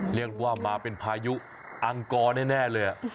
เรียกว่ามาเป็นพายุอังกรแน่เลย